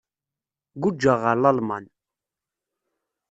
Guǧǧeɣ ɣer Lalman.